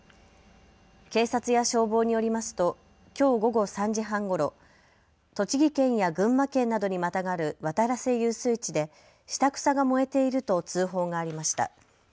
警察や消防によりますときょう午後３時半ごろ栃木県や群馬県などにまたがる渡良瀬遊水地で下草が燃えていると通報がありました。